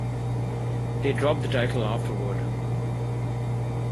They dropped the title afterward.